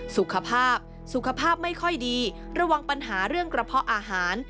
สุขภาพสุขภาพไม่ค่อยดีระวังปัญหาเรื่องกระเพาะอาหาร